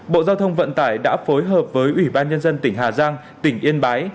bộ giao thông vận tải đã phối hợp với ủy ban nhân dân tỉnh hà giang tỉnh yên bái